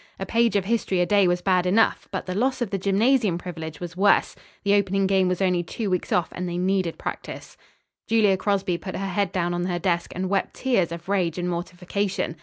A page of history a day was bad enough, but the loss of the gymnasium privilege was worse. The opening game was only two weeks off, and they needed practice. Julia Crosby put her head down on her desk and wept tears of rage and mortification.